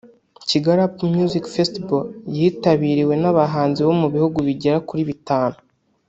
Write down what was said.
Kigali Up Music Festival yitabiriwe n’abahanzi bo mu bihugu bigera kuri bitanu